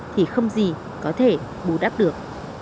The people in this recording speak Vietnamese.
thì không gì có thể bù đắp được